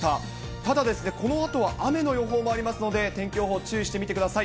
ただですね、このあとは雨の予報もありますので、天気予報、注意してみてください。